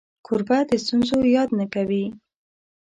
کوربه د ستونزو یاد نه کوي.